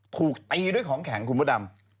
ถูกตีด้วยของแข็งคุณพระดำ